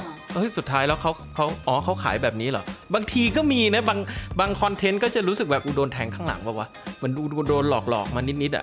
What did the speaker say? บางบางคอนเทนต์ก็จะรู้สึกแบบกูโดนแท็งข้างหลังปะวะเหมือนรู้ดูโดนหลอกหลอกมานิดนิดอ่ะ